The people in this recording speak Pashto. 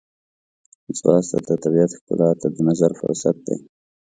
ځغاسته د طبیعت ښکلا ته د نظر فرصت دی